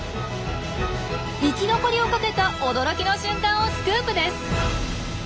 生き残りをかけた驚きの瞬間をスクープです！